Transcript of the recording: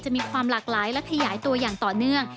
มีความหลากหลายและขยายตัวอย่างต่อเนื่อง